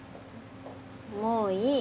もういい。